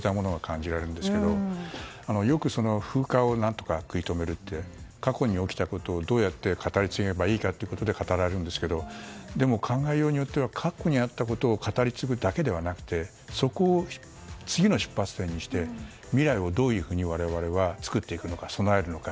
よく風化を何とか食い止めるって過去に起きたことをどうやって語り継げばいいのかと語られるんですけど考えようによっては過去にあったことを語り継ぐだけではなくてそこを次の出発点にして未来をどういうふうに我々は作っていくのか備えるのか。